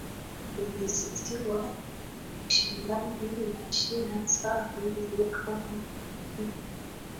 zimezidiwa kiushindani na china saa hizi kama marekani